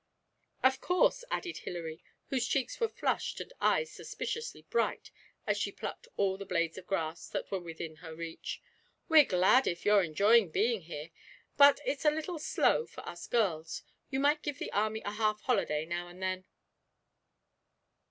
'Of course,' added Hilary, whose cheeks were flushed and eyes suspiciously bright as she plucked all the blades of grass that were within her reach, 'we're glad if you're enjoying being here; but it's a little slow for us girls. You might give the army a half holiday now and then.'